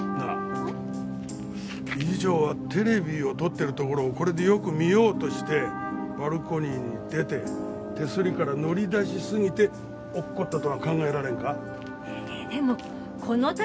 ん？理事長はテレビを撮ってるところをこれでよく見ようとしてバルコニーに出て手すりから乗り出しすぎて落っこちたとは考えられんか？